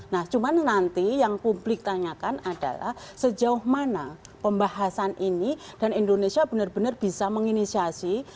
nah cuman nanti yang publik tanyakan adalah sejauh mana pembahasan ini dan indonesia benar benar bisa menginisiasi